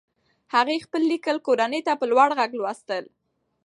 هغې خپل لیکل کورنۍ ته په لوړ غږ لوستل.